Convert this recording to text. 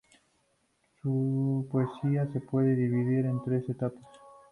Su poesía se puede dividir en tres etapas.